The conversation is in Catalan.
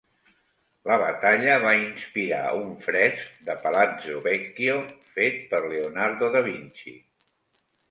La batalla va inspirar un fresc del Palazzo Vecchio fet per Leonardo da Vinci.